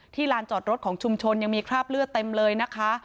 ลานจอดรถของชุมชนยังมีคราบเลือดเต็มเลยนะคะ